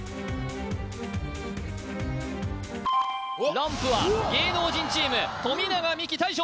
ランプは芸能人チーム富永美樹大将